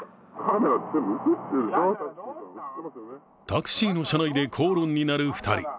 タクシーの車内で口論になる２人